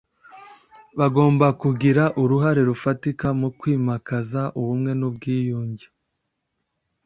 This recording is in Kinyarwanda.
bagomba kugira uruhare rufatika mu kwimakaza ubumwe n’ubwiyunge